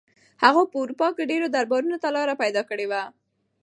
هغه په اروپا کې ډېرو دربارونو ته لاره پیدا کړې وه.